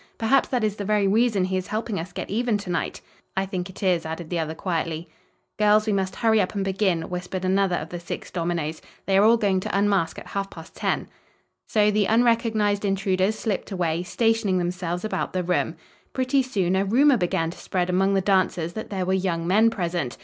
Perhaps that is the very reason he is helping us get even to night." "I think it is," added the other, quietly. "Girls, we must hurry up and begin," whispered another of the six dominoes. "They are all going to unmask at half past ten." So the unrecognized intruders slipped away, stationing themselves about the room. Pretty soon a rumor began to spread among the dancers that there were young men present.